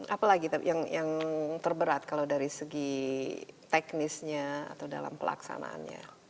apalagi yang terberat kalau dari segi teknisnya atau dalam pelaksanaannya